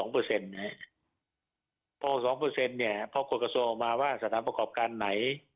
พอ๒พอกฎกระทรวงออกมาว่าสถานประกอบการไหน